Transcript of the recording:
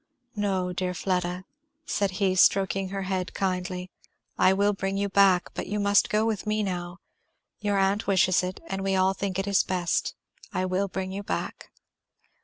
"No, dear Fleda," said he, still stroking her head kindly, "I will bring you back, but you must go with me now, Your aunt wishes it and we all think it is best. I will bring you back."